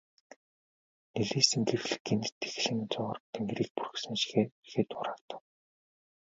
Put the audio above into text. Нэлийсэн гэрэл гэнэт эгшин зуур тэнгэрийг бүрхсэн шигээ эргээд хураагдав.